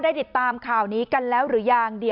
อ่าคุณผู้ชมไม่แน่ใจนะคะว่าได้ติดตามค้าวิทยาลัยภาษาอังกฤษนะครับ